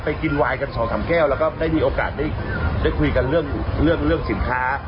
ไปกินไวน์กัน๒๓แก้วแล้วก็ได้มีโอกาสได้คุยกันเรื่องสินค้า